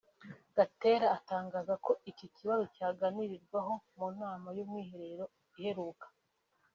Gatera atangaza ko iki kibazo cyaganiriweho mu nama y’Umwiherero iheruka